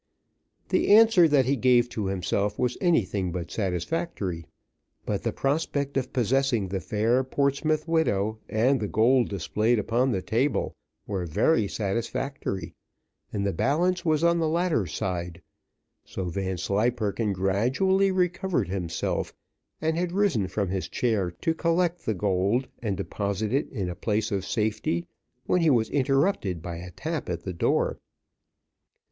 The answer that he gave to himself was anything but satisfactory: but the prospect of possessing the fair Portsmouth widow, and the gold displayed upon the table, were very satisfactory, and the balance was on the latter side: so Vanslyperken gradually recovered himself, and had risen from his chair to collect the gold and deposit it in a place of safety, when he was interrupted by a tap at the door.